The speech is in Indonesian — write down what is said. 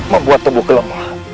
membuat tubuh kelemah